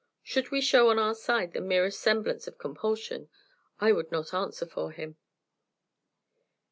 Should we show on our side the merest semblance of compulsion, I would not answer for him."